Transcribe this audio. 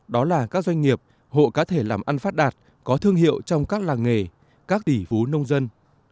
đó là các doanh nghiệp hộ cá thể làm ăn phát đạt có thương hiệu trong các làng nghề các tỷ phú nông dân